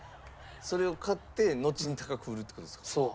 それを買ってのちに高く売るって事ですか？